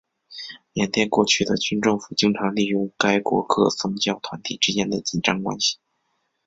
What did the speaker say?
缅甸过去的军政府经常利用该国各宗教团体之间的紧张关系。